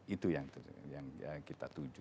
itu yang kita tuju